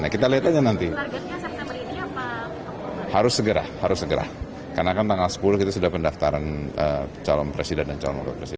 karena kan tanggal sepuluh kita sudah pendaftaran calon presiden dan calon logok presiden